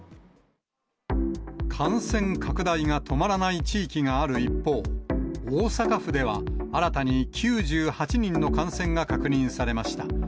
感染拡大が止まらない地域がある一方、大阪府では、新たに９８人の感染が確認されました。